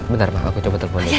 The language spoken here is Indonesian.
bentar mah aku coba telepon aja